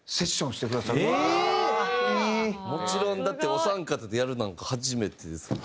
もちろんだってお三方でやるなんか初めてですよね？